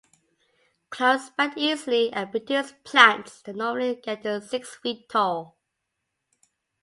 Clumps spread easily and produce plants that normally get to six feet tall.